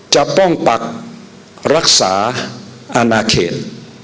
ป้องปักรักษาอนาเขต